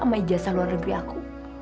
sama ijazah luar negeri aku